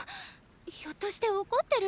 ひょっとして怒ってる？